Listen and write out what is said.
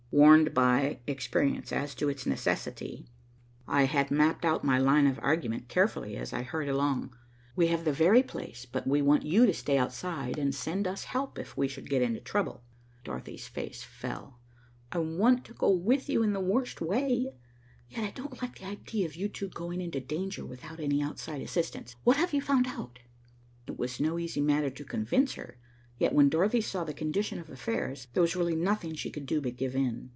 Warned by experience as to its necessity, I had mapped out my line of argument carefully, as I hurried along. "We have the very place, but we want you to stay outside and send us help, if we should get into trouble." Dorothy's face fell. "I want to go with you the worst way," she said. "Yet I don't like the idea of you two going into danger without any outside assistance. What have you found out?" It was no easy matter to convince her, yet when Dorothy saw the condition of affairs, there was really nothing she could do but give in.